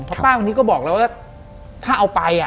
เพราะป้าคนนี้ก็บอกแล้วว่าถ้าเอาไป